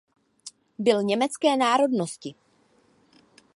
Byl německé národnosti.